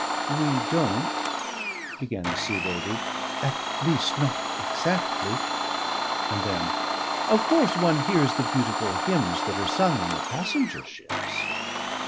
"We don't " began the Sea Lady. "At least not exactly " And then "Of course one hears the beautiful hymns that are sung on the passenger ships."